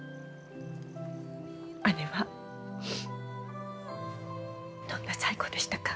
姉はどんな最期でしたか？